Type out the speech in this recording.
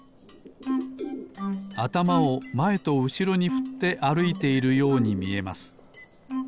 あたまをまえとうしろにふってあるいているようにみえます。